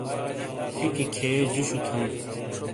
ٹیکی کھیے جُوشُو تھونڈ۔